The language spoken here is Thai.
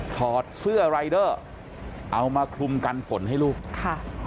ถอดเสื้อรายเดอร์เอามาคลุมกันฝนให้ลูกค่ะ